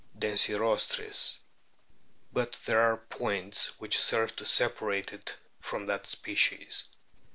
densirostris. But there are points which serve to separate it from that species.